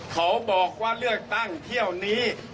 เขาบอกว่าเลือกตั้งเที่ยวนี้